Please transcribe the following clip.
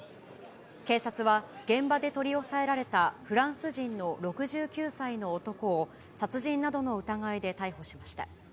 警察は現場で取り押さえられたフランス人の６９歳の男を殺人などの疑いで逮捕しました。